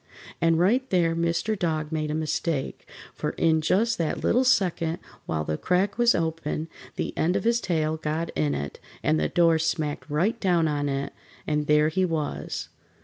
And right there Mr. Dog made a mistake, for in just that little second while the crack was open the end of his tail got in it, and the door smacked right down on it, and there he was.